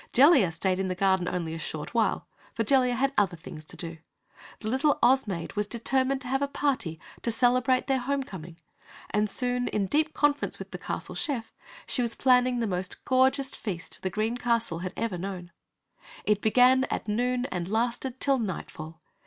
Jellia stayed in the garden only a short while, for Jellia had other things to do. The little Oz Maid was determined to have a party to celebrate their home coming and soon, in deep conference with the castle chef, she was planning the most gorgeous feast the Green Castle ever had known. It began at noon and lasted till nightfall.